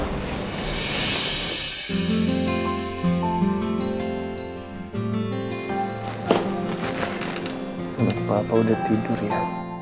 anaknya papa udah tidur ya